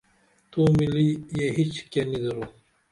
تو ملی یہ ہیچ کیہ نی درو